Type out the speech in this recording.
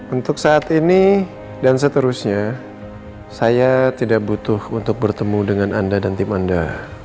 untuk saat ini dan seterusnya saya tidak butuh untuk bertemu dengan anda dan tim anda